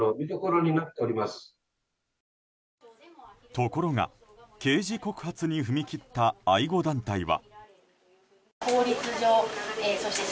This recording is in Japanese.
ところが、刑事告発に踏み切った愛護団体は。